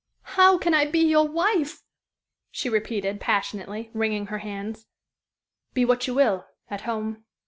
"How can I be your wife?" she repeated, passionately, wringing her hands. "Be what you will at home.